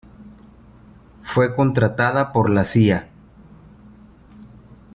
Fue contratada por la Cía.